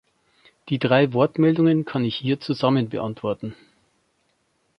Die drei Wortmeldungen kann ich hier zusammen beantworten.